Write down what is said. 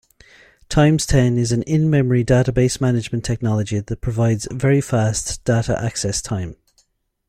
TimesTen is an in-memory database management technology that provides very fast data access time.